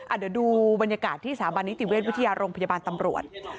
อ่ะเดี๋ยวดูบรรยากาศที่สหรัฐบาลนิสต์ติเวสวิทยาโรงพยาบาลตำรวจ